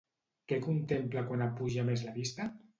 Què contempla quan apuja més la vista?